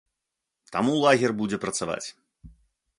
Таму лагер будзе працаваць.